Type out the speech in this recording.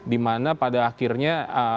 dimana pada akhirnya